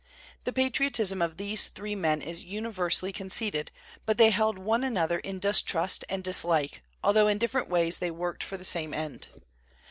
The patriotism of these three men is universally conceded; but they held one another in distrust and dislike, although in different ways they worked for the same end.